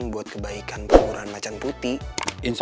yang baik cerita